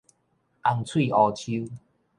紅喙烏鶖